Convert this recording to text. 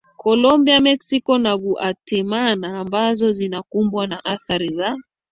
Colombia Mexico na Guatemala ambazo zinakumbwa na athari za